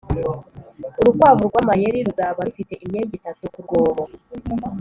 urukwavu rwamayeri ruzaba rufite imyenge itatu kurwobo